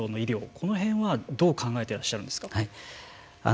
この辺は、どう考えていらっしゃるんですか。